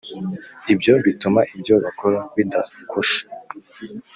Ibyo bituma ibyo bakora bidakosha